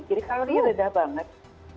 jadi kalori reda banget